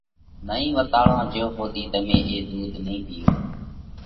نئين وتاڙو جئيون ۿُوڌِي تمي اي ۮُوڌ نئين پِيئو۔